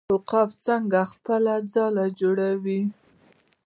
عقاب څنګه خپله ځاله جوړوي؟